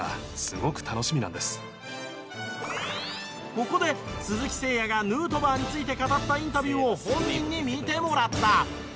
ここで鈴木誠也がヌートバーについて語ったインタビューを本人に見てもらった。